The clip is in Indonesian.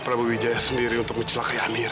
prabowo wijaya sendiri untuk mencelakai amira